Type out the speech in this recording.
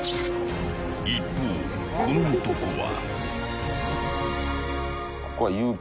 一方、この男は。